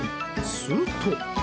すると。